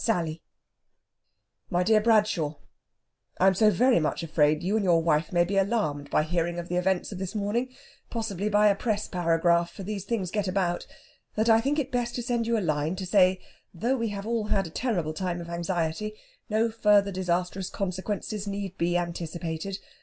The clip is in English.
][Transcriber's Note: This footnote refers to Footnote A] "MY DEAR BRADSHAW, "I am so very much afraid you and your wife may be alarmed by hearing of the events of this morning possibly by a press paragraph, for these things get about that I think it best to send you a line to say that, though we have all had a terrible time of anxiety, no further disastrous consequences need be anticipated.